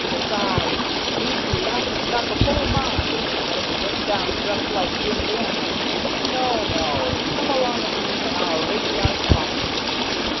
Besides, thee'd be laughing stock of whole mine, if 'ee went down dressed like Jim Dandy. No, no; come along of me and I'll rig 'ee out proper."